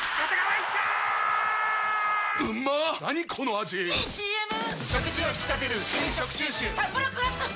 ⁉いいＣＭ！！